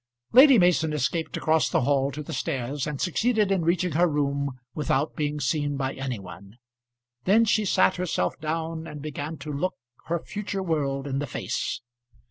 Lady Mason escaped across the hall to the stairs, and succeeded in reaching her room without being seen by any one. Then she sat herself down, and began to look her future world in the face.